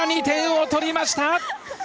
２点を取りました！